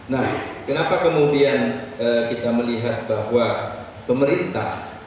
nah kenapa kemudian kita melihat bahwa pemerintah